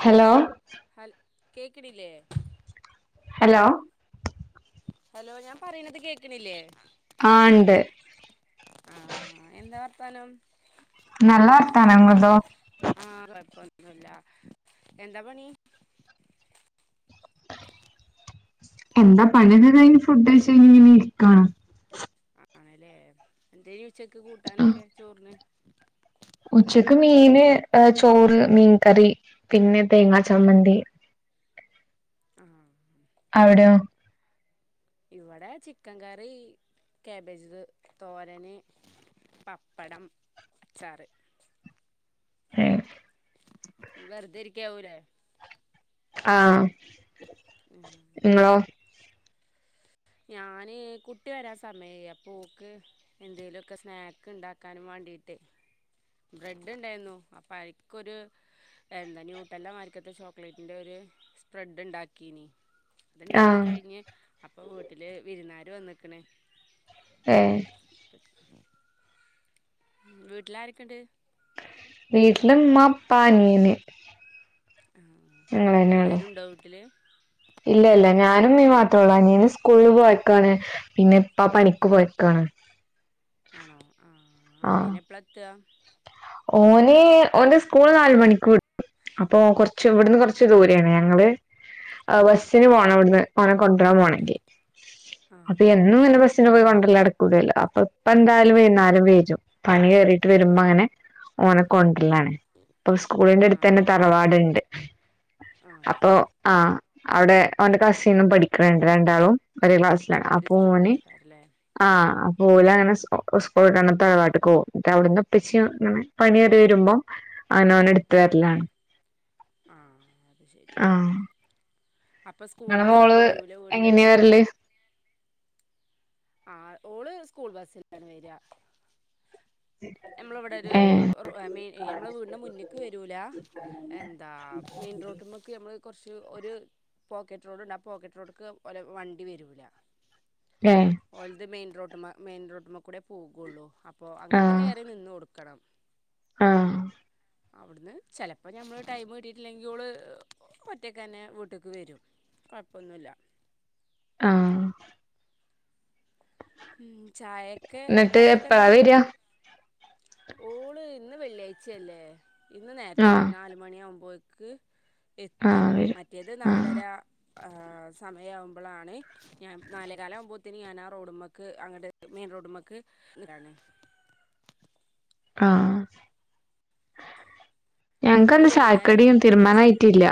Hello ഹൽ കേക്ക്ണില്ലേ hello hello ഞാൻ പറയ്ണത് കേക്കണില്ലേ ആഹ് ഇണ്ട് ആഹ് എന്താ വർത്താനം നല്ല വാർത്താനം ഇങ്ങളതോ ആഹ്‌ കൊഴപ്പൊന്നുല്ല എന്താ പണി എന്താ പണിയൊക്കെകയിഞ്ഞ് ഫുഡ് കയ്ച്ങ്ങനെ ഇരിക്കാണ് ആണല്ലേ എന്തയ്നി ഉച്ചക്ക് കൂട്ടാനൊക്കെ ചോറിന്? ഉച്ചക്ക് മീന് ചോറ് മീൻകറി പിന്നെ തേങ്ങാ ചമ്മന്തി ആഹ്‌ അവിടെയോ ഇവിടെ ചിക്കൻകറി കേബേജ്ജ് തോരന്, പപ്പടം, അച്ചാറ് ഏഹ് വെറുതെരിക്യാവുലെ ആഹ്‌ ഏഹ് ങ്ങളോ ഞാന് കുട്ടി വരാ സമയായി അപ്പോക്ക് എന്തേലൊക്കെ സ്നാക്ക് ണ്ടാക്കാനും വാണ്ടീട്ടേ ബ്രെഡ് ഉണ്ടായിരുന്നു അപ്പൊ അയ്ക്കൊരു എന്താ ന്യൂട്രല്ലമായിരിക്കത്ത ചോക്ലേറ്റിന്റെ ഒരു സ്പ്രെഡ്ണ്ടാക്കീനി അത്ണ്ടാക്കി ആഹ് കഴിഞ്ഞ് അപ്പൊ വീട്ടില് വിരുന്നാര് വന്ന്ക്ക്ണ് ഏഹ് [unintelligible] ഉം വീട്ടിലാരൊക്കേണ്ട് വീട്ടില് മ്മാ പ്പാ അനിയന് ആഹ്‌ ഞങ്ങൾ തന്നെ ഉള്ളു എല്ലാരുണ്ടോ വീട്ടില് ഇല്ല ഇല്ല ഞാനും മ്മീം മാത്ര ഒള്ളു അനിയന് സ്കൂളി പോയക്കാണ് പിന്നെ ഇപ്പാ പണിക്ക് പോയക്കാണ് ആണോ ആഹ്‌ ആഹ് ആനിയനപ്പളാ എത്താ ഓന് ഓന്റെ സ്കൂള് നാല് മണിക് വി അപ്പൊ കൊർച്ച് ഇവടന്ന് കൊർച്ച് ദൂരാണ് ഞങ്ങള് ആഹ് ആ ബസ്സിന് ആ പോണം വട്ന്ന് ഓനെ കൊണ്ട്രാൻ പോണങ്കി ആ അപ്പൊ എന്നുങ്ങനെ ബസ്സിന് പോയി കൊണ്ടരല് നടക്കൂലല്ലോ അപ്പൊപ്പന്തായാലും വരും പണി കേറി ട്ട് ആ വരുമ്പോ അങ്ങനെ ഓനെ കൊണ്ടരലാണ് അപ്പൊ ആ സ്കൂളിന്റെട്ത്തന്നെ അപ്പം തറവാട്ണ്ട് ആ അപ്പൊ ആഹ്‌ അവിടെ ഓന്റെ കസിന്നും പഠിക്കണുണ്ട് രണ്ടാളും ഒേരേ ക്ലാസ് ലാണ് ഒരു അപ്പൊ ഓന് സ്കൂളിലേക്കാരല്ലേ ആ ആഹ് അപ്പ ഓലങ്ങനെ സ്കൂ സ്കൂള്ട്ട് വന്നപ്പം തറവാട്ട്ക്ക്‌ പോവും ന്നട്ട് അവിടുന്ന് ഇപ്പച്ചി പണി കേറി വരുമ്പോ അങ്ങനെ ഓനെ ഇട്ത്ത് വരലാണ് ആഹ്‌ അത് ശരി ആഹ് അപ്പം സ്കൂൾ ഇങ്ങളെ മോള് ബസ്സൊന്നും വരൂലേ വീടിന്റെ അടുത്ത് എങ്ങനെയാ കൂടെ? വരല് ആഹ്‌ ഓള് സ്കൂൾ ബസിലാണ് വെര ഞമ്മളെ ഇവടൊരു ഏഹ് റോ മെയ് ഞമ്മളെ വീടിന്റെ മുന്ന്ക്ക് വരൂല എന്താ മെയിൻ റോട്ട്മ്മക്ക് ഞമ്മള് കൊർച്ച് ഒരു പോക്കറ്റ് റോഡ്ണ്ട് ആ പോക്കറ്റ് റോട്ട്ക്ക് ഓലെ വണ്ടി വരൂല ഏഹ് ഓൽത് മെയിൻ റോട്ട്മ്മ മെയിൻ റോട്ട്മ്മ കൂടെ പോകൊള്ളൂ അപ്പൊ അങ്ങട്ട് കേറി നിന്ന് കൊടുക്കണം ആഹ്‌ അവിടുന്ന് ചെലപ്പോ ഞമ്മള് ടൈം കിട്ടിയിട്ടില്ലെങ്കി ഒള് ഒറ്റക്കന്നെ വിട്ട് ക്ക് വരും കൊഴപ്പൊന്നുല്ല ആഹ്‌ ഉം ചായക്കെ എന്നിട്ട് എപ്പഴാ കടിയെക്കെന്താ? വരാ ഓള് ഇന്ന് വെള്ളിയാഴ്ചയല്ലേ ഇന്ന് നേരത്തെ ആഹ് വരും നാല് മണിയാകുമ്പയേക്ക് എത്തും ആഹ് വരും മറ്റേത് ആഹ് നാലര ആഹ് സമയാവുമ്പളാണ് ഞാൻ നാലേ കാലാവുമ്പോ ത്തിന് ഞാനാ റോഡ്മ്മക്ക് അങ്ങട്ട് മെയിൻ റോഡുമ്മക്ക് നിക്കാന് ആഹ് ഞങ്ങക്ക് ഇനി അന്ന് വൈകുന്നേരം ചായക്കടിയും ച്ച തീരുമാനായിട്ടില്ല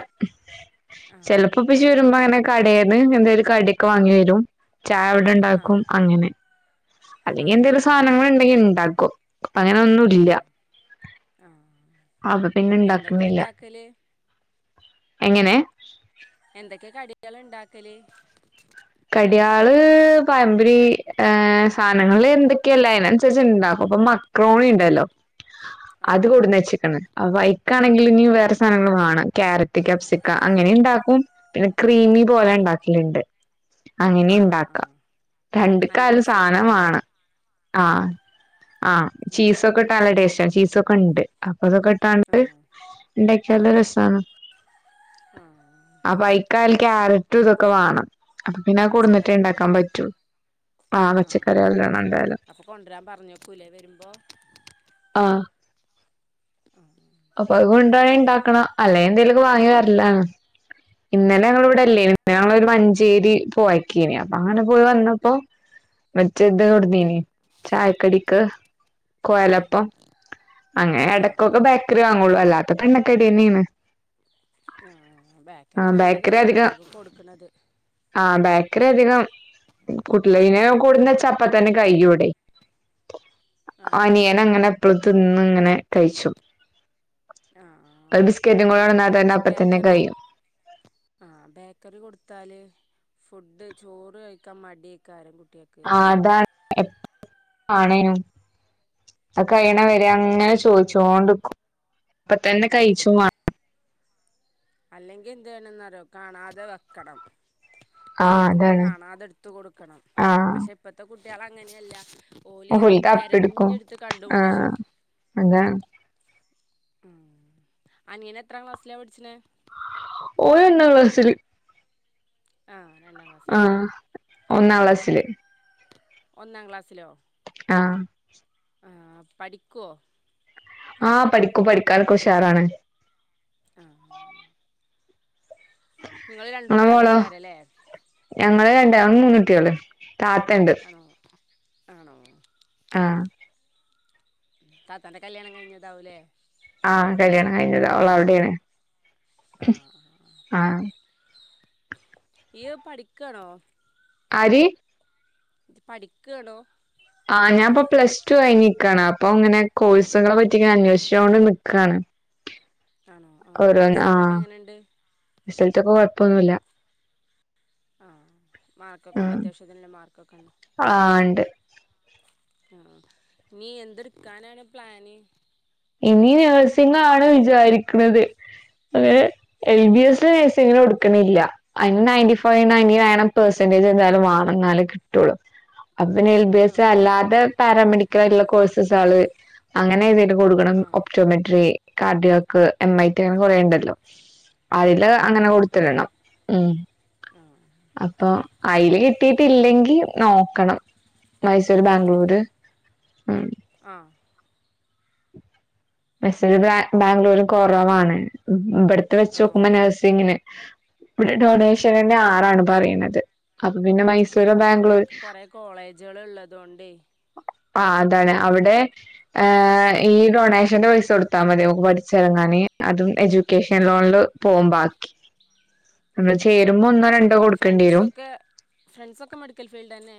ആ ചെല പ്പം ഇപ്പെച്ചി വരുമ്പോ അങ്ങനെ കടേന്ന് എന്തേലും ഒരു കടിയൊക്കെ വാങ്ങി വരും ചായ ഇവിടെ ആ ഇണ്ടാക്കും അങ്ങനെ ആ അല്ലെങ്കി എന്തേലും സാധനങ്ങള് ഇണ്ടെങ്കില് ഇണ്ടാക്കും ഇപ്പൊ ആ അങ്ങനൊന്നുംല്ല ആ അപ്പൊ പിന്നെ എന്തൊക്കെ ഇണ്ടാക്ണില്ല ഉണ്ടാക്കല് എങ്ങനെ? എന്തൊക്കെ കടികള ഇണ്ടാക്കല്? കടിയാള് പഴംപൊരി ഏഹ് സാധനങ്ങള് എന്തൊക്കെ ഇല്ലേ അയിനനുസരിച്ച് ഇണ്ടാക്കും ഇപ്പ മക്രോണിണ്ടല്ലോ ആ അത് ആ കൊട്ന്നച്ച്ക്ക്ണ് അപ്പൊ അയ്ക്കാണെങ്കില് ഇനിയും വേറെ സാധനങ്ങള് വേണം ക്യാരറ്റ്, ക്യാപ്സിക്ക, അങ്ങനെയും ഇണ്ടാക്കും പിന്നെ ക്രീമി പോലെ ആ ഇണ്ടാക്കല്ണ്ട് അങ്ങനിം ആ ആ ഇണ്ടാക്കാം നല്ല രണ്ട്ക്കായാലും സാധനം രസേക്കാരല്ലേ വാണം ആഹ് ആഹ് ചീസൊക്കെ ഇട്ട നല്ല ടേസ്റ്റ ചീസൊക്കെയിണ്ട് അപ്പൊ അതൊക്കെ ഇ [unintelligible] ആ ണ്ട് ആ ഇണ്ടാക്കിയാലും രസാണ് ആ അപ്പൈക്ക് കൽ ക്യാരറ്റ് ഇതൊക്കെ വേണം അപ്പൊ പിന്നെ അഹ് കൊട്ന്നിട്ടെ ഇണ്ടാക്കാൻ പച്ചക്കറികളോടുണ്ട് പറ്റൂ ആ പച്ചക്കറി നല്ലോണ ഇണ്ടായാലെ കൊണ്ട്രരാൻ പറഞ്ഞോക്കൂലേ വരുമ്പോ? ആഹ് ആഹ് അപ്പൊ അത് കൊണ്ടരാണി ഇണ്ടാക്കണം അല്ലേ എന്തേലൊക്കെ വാങ്ങി വരല്ലാണ് ഇന്നലെ ഞങ്ങള് ആഹ് ഇവടെ ഇല്ലേനി ഞങ്ങളൊരു മഞ്ചേരി പോയക്കേനി അപ്പൊ അങ്ങനെ പോയി വന്നപ്പോ മറ്റേ ഇത് ആഹ് കൊട്ന്നീനി ചായക്കടിക്ക് കൊഴലപ്പം അങ്ങനെ ആഹ് എടയ്ക്കൊക്കെ ആഹ് ബേക്കറി വാങ്ങുള്ളു അല്ലാത്തപ്പം എണ്ണക്കടി തന്നെയാണ് ആഹ് ആ ബേക്കറി നല്ലതല്ല കുട്ടിയക്ക് കൊടുക്ക്ണത് ആഹ് ബേക്കറി അധികം കൂട്ടില്ല അയ്ന് അഹ് കൊട്ന്ന് വെച്ചാ അപ്പത്തനെ കയ്യും ഇവടെ ആഹ് അനിയനങ്ങനെ എപ്പളും തിന്ന് ഇങ്ങനെ കഴിച്ചും ആഹ് ഒരു ബിസ്ക്കറ്റും കൂടെ കുട്ടിയാക്കെ കൊടന്നാ തന്നെ അപ്പ തന്നെ ബേക്കറി കഴിയും ആഹ് ബേക്കറി കൊടുത്താല് ഫുഡ് ചോറ് കഴിക്കാൻ മടിയക്കാരം കുട്ടിയക്ക് ആഹ് അതാണ് [unintelligible] ആഹ് അങ്ങനെ ചോദിച്ചണ്ട് നിക്കും അപ്പ തന്നെ ആഹ് കഴിച്ചു മാ അല്ലെങ്കിൽ എന്ത് ചെയ്യണോന്നറിയോ കാണാതെ വെക്കണം ആ ചോയിക്കുമ്പോ അതാണ് കാണാതെ എടുത്ത് കൊടുക്കണം ആ പക്ഷെ ഇപ്പത്തെ കുട്ടികൾ അങ്ങനെയല്ല ഓല് ഓൽക്ക് തിരഞ്ഞെടുത്ത് കണ്ടുപിടിച്ചും അത ആഹ് അനിയനെത്രാം ക്ലാസ്സിലാ പഠിച്ചണെ ഓന് ഒന്നാം ക്ലാസ്സില് ആഹ് രണ്ടാം ക്ലാ ആഹ് ഒന്നാം ക്ലാസ്സില് ഒന്നാം ക്ലാസ്സിലോ ആഹ് ആഹ് പഠിക്കോ ആഹ് പഠിക്കും പഠിക്കാൻഒക്കെ ഉഷാറാണ് ആഹ് ആഹ് നിങ്ങൾ രണ്ട് ഇങ്ങളെ മോളോ കുട്ടിളെയ്ക്കാരല്ലേ ഞങ്ങള് രണ്ടാവും മൂന്ന് കുട്ടികള് താത്തണ്ട് ആണോ ആണോ ആഹ് താത്താന്റെ കല്യാണം കഴിഞ്ഞതാവൂലേ ആഹ് കല്യാണം കഴിഞ്ഞത അവള അവിടെയാണ് ആഹ് ആഹ് ഇയ്യ്‌ പഠിക്കണോ ആര് ഇത് പഠിക്കാണോ ആഹ് ഞാൻപ്പൊ പ്ലസ് ടു കഴിഞ്ഞിക്കയാണ് അപ്പൊ ഇങ്ങനെ കോഴ്സുകളെ പറ്റി ഞാൻ അന്വേഷിച്ചോണ്ട് നിക്കാണ് ആണോ ഓരോ ആഹ് റിസൾട്ടൊക്കെ ആഹ് എങ്ങനെണ്ട് റിസൽറ്റൊക്കെ കൊഴപ്പൊന്നുമില്ല ആഹ് മാർക്കൊക്കെ ഉണ്ട് ആഹ് അത്യാവശ്യത്തിനുള്ള മാർക്കൊക്കെ ഉണ്ട് ആഹ് ഇണ്ട് ആഹ് നീ എന്തെടുക്കാനാണ് പ്ലാന് ഇനി നഴ്സിംഗ് ആണ് വിചാരിക്കുന്നത് അങ്ങനെ എൽ ബി എസ് നേഴ്‌സിങ്ങിന് കൊടുക്കണില്ല അതിന് നയൻറ്റിഫ് വ് ആഹ് നയന്റിണയൻ പെർസെന്റേജ് എന്താലും വാണം എന്നാലെ കിട്ടൂള്ളൂ അങ്ങന്നെ എൽ ബി എസ് ആഹ് അല്ലാതെ പാരാമെഡിക്കൽ ആയിട്ടുള്ള കോഴ്സസ് അവള് അങ്ങനെ എഴുതിയിട്ട് കൊടുക്കണം ആഹ് optometry cardiac M I T അങ്ങനെ കൊറേണ്ടല്ലോ അതില് ആഹ് അങ്ങനെ കൊടുത്തിടണം ഉം ആഹ് അപ്പൊ അതില് കിട്ടീട്ടില്ലെങ്കി നോക്കണം മൈസൂര് ആഹ് ബാംഗ്ലൂര് ഉം ആഹ് മൈസൂരും ബാ ബാംഗ്ലൂരും കുറവാണ് ഇവിടുത്തെ വെച്ച് ആണോ നോക്കുമ്പോ നഴ്സിങ്ങിന് ഇവിടെ ഡൊണേഷൻ തന്നെ ആറാണ് പറയുന്നത് അപ്പൊ പിന്നെ മൈ ആഹ് അവിടെയൊക്കെ കൊറേ കോളേജുകൾ ഉള്ളതുകൊണ്ടെ ആഹ് അതാണ് അവിടെ ഏഹ് ഈ ഡൊണേ പക്ഷന്റെ പൈസ കൊടുത്താൽ മതിക്ക് പഠിച്ചിറങ്ങാന് അതും എഡ്യൂക്കേഷൻ ലോണില് പോകും ബാക്കി നമ്മള് ആഹ് ചേരുമ്പോ ഒന്നോ ഓക്കെ രണ്ടോ കൊടുക്കേണ്ടി വരും ഫ്രണ്ട്സൊക്കെ ഫ്രണ്ട്സൊക്കെ മെഡിക്കൽ ഫീൽഡ് തന്നെ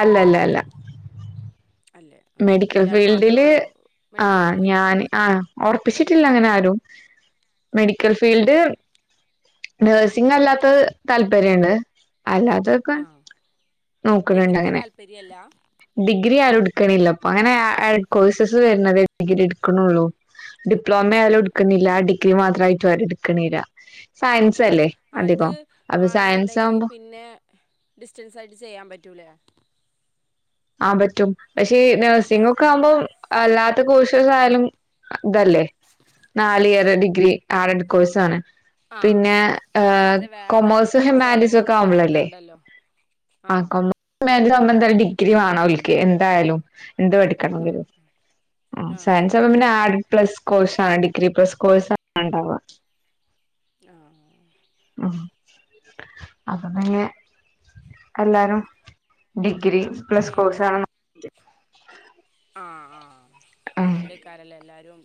അല്ല അല്ല അല്ല അല്ലേ ആ മെഡിക്കൽ ഇയാൾ മാത്രമേ ഫീൽഡില് ഉള്ളോ മെഡിക്കൽ ആഹ് ഫീൽഡ് ഞാന് ആഹ് ഉറപ്പിച്ചിട്ടില്ല അങ്ങനെ ആരും മെഡിക്കൽ ആ ഫീൽഡ് നഴ്സിംഗ അല്ലാത്ത താല്പര്യുണ്ട് അല്ലാ അതൊക്കെ ആ നോക്കണണ്ട് ഡിഗ്രിക്ക് അങ്ങനെ താല്പര്യമല്ല ഡിഗ്രി ആരും എടുക്കണില്ല അപ്പൊ അങ്ങനെ കോഴ്സസ് വരുന്നതേ ഡിഗ്രി എടുക്കണള്ളൂ ഡിപ്ലോമ ആയാലും എടുക്കണില്ല ഡിഗ്രി മാത്രമായിട്ട് ആരും എടുക്കണില്ല ആഹ് സയൻസ് അല്ലേ അഹ് അത് അധികം അപ്പൊ സയൻസ് വേണെന്നുണ്ടെങ്കി ആവുമ്പോ പിന്നെ ഡിസ്റ്റൻസ് ആയിട്ട് ചെയ്യാൻ പറ്റൂല്ലേ ആഹ് പറ്റും പക്ഷെ നഴ്സിംഗ ഒക്കെ ആകുമ്പോം അല്ലാത്ത കോഴ്സസ് ആയാലും ഇതല്ലേ നാല് ഇയർ ഡിഗ്രി ആടഡ് കോഴ്സാണ് ആ പിന്നെ ആ ഏഹ് അല്ലാതെ വേറെ കൊമേഴ്സും ചില ഹ്യുമാനിറ്റീസ് ഒക്കെ കോഴ്സുകളൊക്കെ ആവുമ്പളല്ലേ ഉണ്ടല്ലോ ആ ആഹ് കോമേഴ്‌സ് [inaudible] ഡിഗ്രി വേണ അവൾക്ക് എന്തായാലും എന്ത് ആ പഠ [inaudible] ആഹ് ആ ആ സയൻസ് പിന്നെ ആഡ് പ്ലസ് കോഴ്സ് ആണ് ഡിഗ്രി പ്ലസ് കോഴ്സ് ആണ ഉണ്ടാവുക ആഹ് ആഹ് അപ്പൊ പിന്നെ എല്ലാരും ഡിഗ്രി പ്ലസ് ഏഹ് കോഴ്സ് ആണ് ആഹ ആഹ് ആഹ് അതുകൊണ്ട് ഇക്കാരല്ലേ എല്ലാരും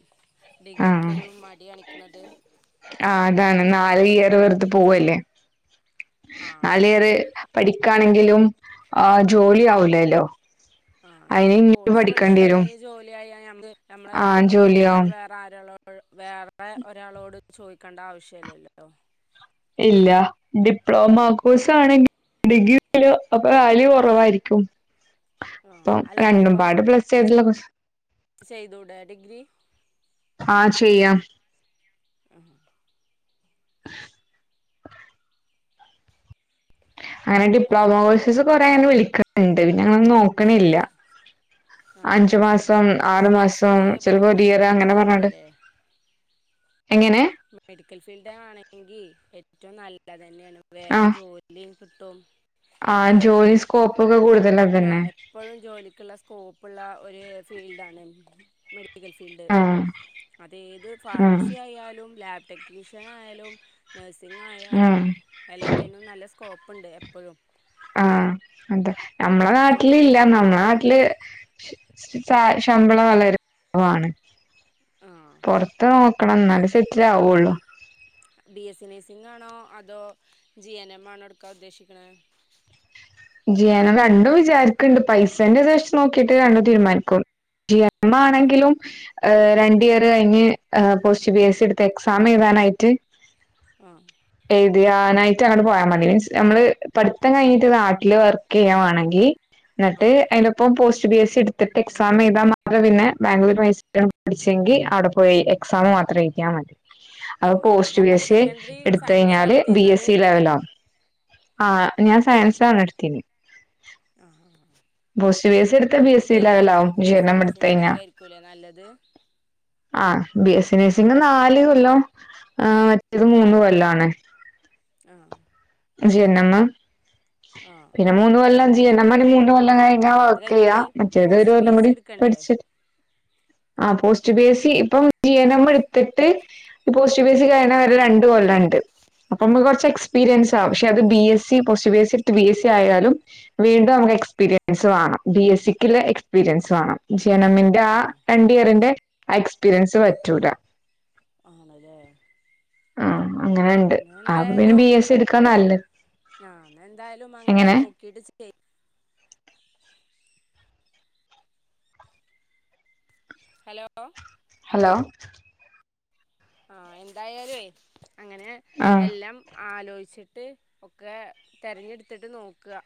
ആഹ് ഡിഗ്രക്കൊരു മടികാണിക്കണന്നത് ആഹ് അതാണ് നാല് ഇയർ വെറത്ത് പോവല്ലേ ആ ആ നല് ഇയർ പഠിക്കാണെങ്കിലും ആഹ് ജോലിആവൂലല്ലോ ആഹ് എന്തേലും കോഴ്സ് പഠിച്ചാല വരും ജോലിയായക്ക് നമ്മളെ ആഹ് കാര്യങ്ങൾ നോക്കാൻ ജോലിയാവും വേ ആരാളോ വേറെ ഒരാളോട് ചോദിക്കേണ്ട ആവശ്യല്ലല്ലോ ഇല്ല ഡിപ്ലോമ കോഴ്സാണെങ്കിൽ ഡിഗ്രി [inaudible] അപ്പൊ വാല്യ കുറവായിരിക്കും ആഹ്‌ അപ്പം രണ്ടും അല്ലപ്പം പാട് പ്ലസ് ചെയ്തിട്ടുള്ള കോഴ്സ് [inaudible] ചെയ്തൂടെ ഡിഗ്രി ആഹ്‌ ചെയ്യാം ആഹ്‌ [inaudible] [inaudible] അങ്ങനെ ഡിപ്ലോമ കോഴ്സസ് കൊറെ അങ്ങനെ വിളിക്കുന്നുണ്ട് പിന്നെ ഞങ്ങള് നോക്കണില്ല ആ അഞ്ചു മാസം ആ ആറു മാസം നേഴ്സിംഗ് ചിലപ്പോ മെഡിക്കൽ ഒരു ഏറ്റവും ഇയർ അങ്ങനെ നല്ലത് പറഞ്ഞണ്ട് തന്നെയല്ലേ എങ്ങനെ മെഡിക്കൽ ഫീൽഡ ആണെങ്കിൽ ഏറ്റവും നല്ല തന്നെയാണ് വേഗം ആഹ് ജോലി ലൻ കിട്ടും ആഹ് എപ്പോഴും ജോലി സ്കോപ്പ് ഒക്കെ കൂടുതൽ അതന്നെ ആഹ്‌ എപ്പോഴും ജോലിക്കുള്ള സ്കോപ്പുള്ള ഒരു ഫീൽഡാ ണ് മെഡി മെഡിക്കൽ ഫീൽഡ് ആഹ് അതേഏത് ആഹ് ഫാർമസി ആയാലും ലാബ് ടെക്നീഷ്യൻ ആയാലും നഴ്സിംഗ ആയാലും ആഹ് എല്ലാത്തിനും നല്ല സ്കോപ്പ്ണ്ട് എപ്പഴും ആഹ്‌ അതെ നമ്മളെ നാട്ടില ജോലി ഇല്ല നമ്മളെ കിട്ടുമെന്നുള്ളത് നാട്ടില് ശമ്പളം വളരെ കുറവാണ് ആഹ്‌ പുറത്ത് നോക്കണം എന്നാല് സെറ്റിൽ ആവുള്ളൂ ബി എസ് സി നേഴ്സിംഗാണോ അതോ ജി എൻ എം ആണോ എടുക്കാ ഉദ്ദേശിക്കു ന്നദ്‌ ജി എൻ എം രണ്ടോ വിചാരിക്കുന്നുണ്ട് പൈസേന്റെ വച്ച് നോക്കിയിട്ട് രണ്ടോ തീരുമാനിക്കുള്ളു ടി എം ആ ആണെങ്കിലും രണ്ട് ഇയർ കഴിഞ്ഞ് പോസ്റ്റ് ബി എസ് സി എടുത്ത എക്സാം എഴുതാനായിട്ട് ആഹ്‌ എഴുതിനായിട്ട് അങ്ങട്ട് പോയാ മതി മീൻസ് നമ്മള് പഠിത്തം കഴിഞ്ഞട്ട് വിട്ടില് വർക്ക് ചെയ്യ വാണെങ്കിൽ ആ എന്നിട്ട് അയ് ഇപ്പം പോസ്റ്റ് ബി എസ് സി എടുത്തിട്ട് എക്സാംഴ്താ മാത്ര പിന്ന ബാംഗ്ലൂർ പഠിച്ചെങ്കിൽ അവിടെ പോയി എക്സാം മാത്രം എഴുതിയാ മതി അപ്പൊ ആ post B higher S C secondary എടുത്ത സയൻസാ കഴിഞ്ഞാല് ബി എസ് എടുത്തിരുന്നത് സി ലെവല ആഹ്‌ ഞാൻ സയൻസാണ് എടുത്തിനി ആഹ്‌ ആഹ് ആഹ്‌ എടുത്ത ബി എസ് അപ്പം സി ലെവലാവും ബി എസ്സി വിശീലനം എടുത്ത് നഴ്സിങ് കഴിഞ്ഞാ എടുക്കായിരിക്കൂല്ലേ നല്ലത് ആ ഹ്‌ ബി എസ് സി നേഴ്സിംഗ് നാല് കൊല്ലം ആ മറ്റേത് മൂന്ന് കൊല്ലം ആണ് ആഹ്‌ ജി എൻ എം ആഹ് പിന്നെ ആഹ് മൂന്ന് കൊല്ലം ജി എൻ എം ന് മൂന്ന് കൊല്ലം ആയി അത് ഞാൻവർക്ക് ചെയ്യ കഴിഞ്ഞിട്ട് മറ്റേത് ഒരു പോസ്റ്റ് പി കൊല്ലം എസ് സി കൂടി എടുക്കണ്ടേ പഠിച്ച് [inaudible] ആ പോസ്റ്റ് ബി എസ് ഇപ്പം ജി എൻ എം എടുത്തിട്ട് ഈ പോസ്റ്റഫേസിയ വരെ രണ്ട് കൊല്ലം ഉണ്ട് അപ്പൊ നമ്മ കുറ എക്സ്പീരിയൻസ് പക്ഷെ അത് B S C post B S C B S C ആയാലും വീണ്ടും നമുക്ക് എക്സ്പീരിയൻസ് വേണം ബി എസ് സക്ക്ല് എക്സ്പീരിയൻസ് വേണം ജി എൻ എം ആ ആണോ രണ്ട് ഇയറിന്റെ എക്സ്പീരിയൻസ് പറ്റൂല ആണല്ലെ ആ അങ്ങനെണ്ട് അപ്പ പിന്നെ ബി എസ് സിഎടു ആന്നഎന്തായാലും അങ്ങനെ എങ്ങനെ നോക്കിട്ട് ചെയ് ഹലോ ഹലോ ആഹ് എന്തായാലുംഏ അങ്ങനെ ആ എല്ലാം ആലോചിച്ചിട്ട് ഒക്കെ തിരഞ്ഞെടുത്തിട്ട് നോക്ക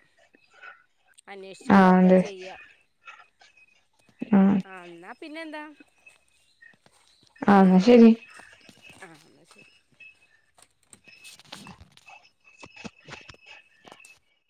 ആ അന്വേഷിച്ചിട്ടൊക്കെ അതെ ചെയ്യാ ഉം ആ എന്നാപിന്നെ എന്താ ആഹ് എന്ന ശരി ആ എന്നാ ശരി